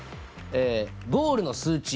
えゴールの数値。